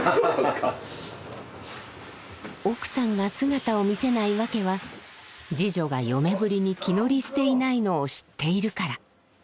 奥さんが姿を見せないわけは次女が嫁ブリに気乗りしていないのを知っているから。